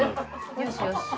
よしよし。